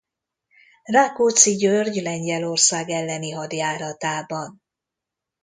Rákóczi György Lengyelország elleni hadjáratában.